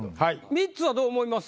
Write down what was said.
ミッツはどう思います？